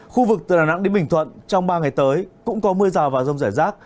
khu vực từ đà nẵng đến bình thuận trong ba ngày tới cũng có mưa rào và rông rải rác